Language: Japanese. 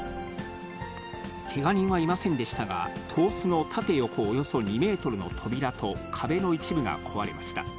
けが人はいませんでしたが、東司の縦横およそ２メートルの扉と壁の一部が壊れました。